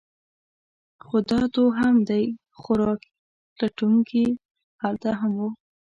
خو دا توهم دی؛ خوراک لټونکي هلته هم وو.